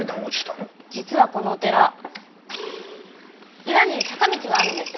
実はこのお寺裏に坂道があるんです。